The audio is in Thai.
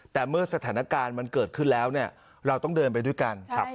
แต่เมื่อสถานการณ์มันเกิดขึ้นแล้วเนี่ยเราต้องเดินไปด้วยกัน